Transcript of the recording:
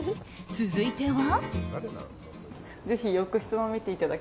続いては。